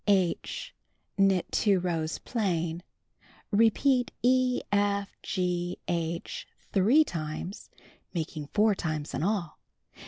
(H) Knit 2 rows plain. Repeat E, F, G, H, 3 times (making 4 times in all).